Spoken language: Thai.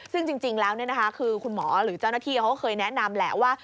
ซึ่งจริงแล้วคือคุณหมอหรือเจ้าหน้าที่เขาก็เคยแนะนำแหละว่า